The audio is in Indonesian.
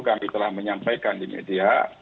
kami telah menyampaikan di media